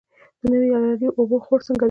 د نوي نیالګي اوبه خور څنګه دی؟